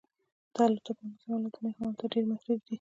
د الوتکو منظم الوتنې هم هلته ډیرې محدودې دي